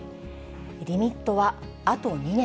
リミットはあと２年。